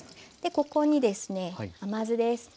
ここにですね甘酢です。